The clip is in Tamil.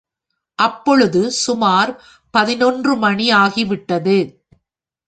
அப்பொழுது சுமார் பதினொன்று மணி ஆகிவிட்டது.